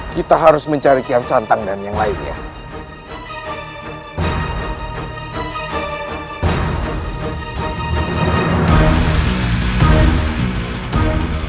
kita harus mencari kian santang dan yang lainnya